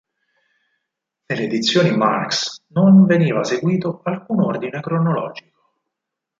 Nelle edizioni Marks non veniva seguito alcun ordine cronologico.